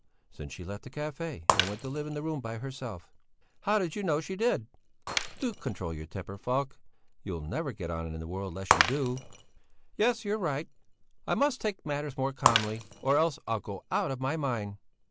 "Since she left the café and went to live in a room by herself." "How do you know she did?" "Do control your temper, Falk. You'll never get on in the world unless you do." "Yes, you're right. I must take matters more calmly, or else I'll go out of my mind!